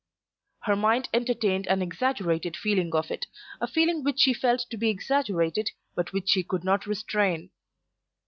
Her mind entertained an exaggerated feeling of it, a feeling which she felt to be exaggerated but which she could not restrain.